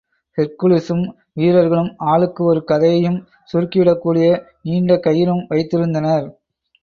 ஹெர்க்குலிஸும் வீரர்களும் ஆளுக்கு ஒரு கதையும், சுருக்கிடக் கூடிய நீண்ட கயிறும் வைத்திருந்தனர்.